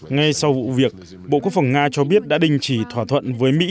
ngay sau vụ việc bộ quốc phòng nga cho biết đã đình chỉ thỏa thuận với mỹ